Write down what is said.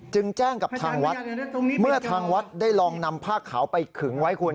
แจ้งกับทางวัดเมื่อทางวัดได้ลองนำผ้าขาวไปขึงไว้คุณ